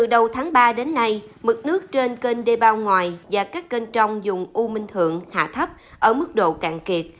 đầu tháng ba đến nay mực nước trên kênh đê bao ngoài và các kênh trong dùng u minh thượng hạ thấp ở mức độ càng kiệt